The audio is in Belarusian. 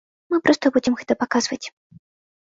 Мы проста будзем гэта паказваць.